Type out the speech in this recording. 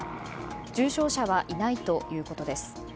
重症者はいないということです。